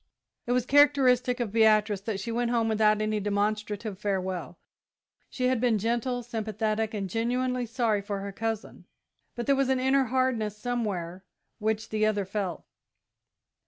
It was characteristic of Beatrice that she went home without any demonstrative farewell. She had been gentle, sympathetic, and genuinely sorry for her cousin, but there was an inner hardness somewhere which the other felt.